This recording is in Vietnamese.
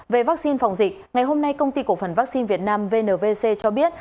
về vaccine phòng dịch ngày hôm nay công ty cổ phần vaccine việt nam vnvc cho biết